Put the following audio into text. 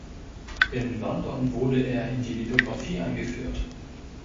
In London wurde er in die Lithografie eingeführt.